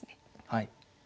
はい。